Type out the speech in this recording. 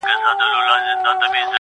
رستمان یې زور ته نه سوای ټینګېدلای؛